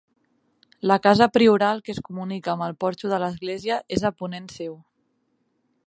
La casa prioral, que es comunica amb el porxo de l'església, és a ponent seu.